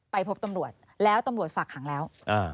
ไปพบตำรวจแล้วตำรวจฝากขังแล้ว